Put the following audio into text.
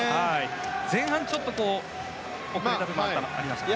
前半、ちょっと遅れたところがありましたかね。